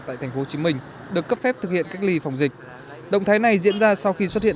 tại tp hcm được cấp phép thực hiện cách ly phòng dịch động thái này diễn ra sau khi xuất hiện